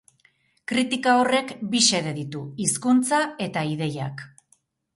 Kritika horrek bi xede ditu: hizkuntza eta ideiak.